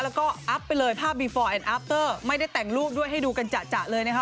แล้วก็อัพไปเลยภาพบีฟอร์แอนอัพเตอร์ไม่ได้แต่งรูปด้วยให้ดูกันจะเลยนะคะ